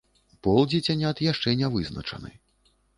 Пол дзіцянят яшчэ не вызначаны.